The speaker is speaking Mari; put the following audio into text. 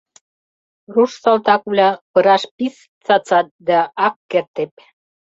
Руш салтаквлӓ пыраш пиш цацат дӓ, ак кердеп.